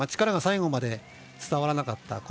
力が最後まで伝わらなかった。